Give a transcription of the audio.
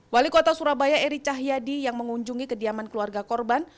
wali kota surabaya eri cahyadi yang mengunjungi kediaman keluarga korban